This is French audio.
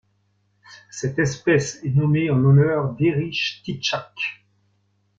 Cette espèce est nommée en l'honneur d'Erich Titschack.